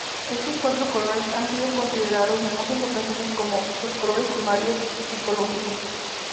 Estos cuatro colores han sido considerados en muchas ocasiones como "los colores primarios psicológicos".